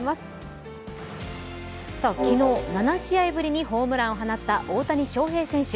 昨日、７試合ぶりにホームランを放った大谷翔平選手